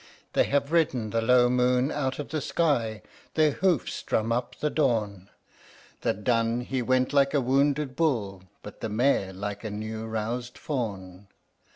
They have ridden the low moon out of the sky, their hoofs drum up the dawn, The dun he went like a wounded bull, but the mare like a new roused fawn.